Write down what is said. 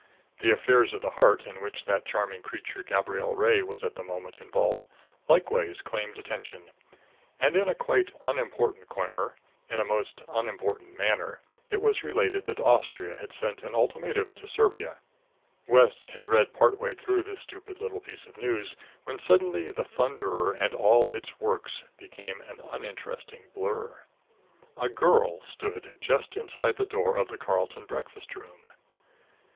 The affairs of the heart, in which that charming creature, Gabrielle Ray, was at the moment involved, likewise claimed attention. And in a quite unimportant corner, in a most unimportant manner, it was related that Austria had sent an ultimatum to Serbia. West had read part way through this stupid little piece of news, when suddenly the Thunderer and all its works became an uninteresting blur. A girl stood just inside the door of the Carlton breakfast room.